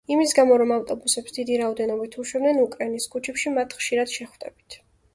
იმის გამო, რომ ამ ავტობუსებს დიდი რაოდენობით უშვებდნენ, უკრაინის ქუჩებში მათ ხშირად შეხვდებით.